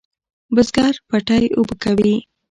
بزگر پټی اوبه کوي.